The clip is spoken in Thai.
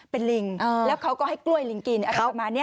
เป็นลิงแล้วเขาก็ให้กล้วยลิงกินอะไรประมาณนี้